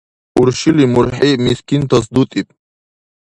Уршили мургьи мискинтас дутӀиб.